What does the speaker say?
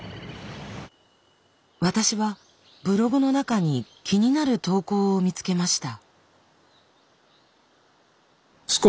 私はブログの中に気になる投稿を見つけました。